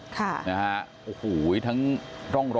ขอบคุณทุกคน